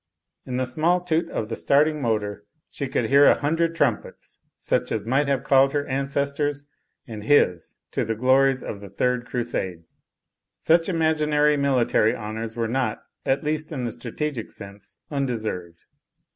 In the small toot of the starting motor she could hear a hundred tnmipets, such as might have called her ancestors and his to the glories of the Third Crusade. Such imaginary military honours were not, at least in the strategic sense, undeserved.